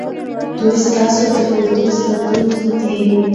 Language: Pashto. دوی ستاسې د کلتور ساتونکي دي.